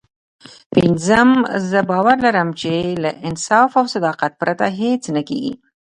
پينځم زه باور لرم چې له انصاف او صداقت پرته هېڅ نه کېږي.